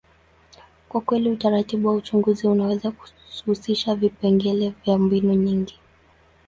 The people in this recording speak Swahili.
kwa kweli, utaratibu wa uchunguzi unaweza kuhusisha vipengele vya mbinu nyingi.